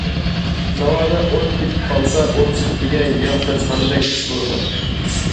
ناۋادا ئوت كېتىپ قالسا‹‹ ئوت ئۈستىگە ياغ چاچقاندەك ئىش›› بولىدۇ.